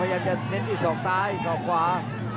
พยายามจะเน้นที่สองซ้ายสองขวา